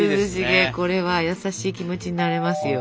これは優しい気持ちになれますよ。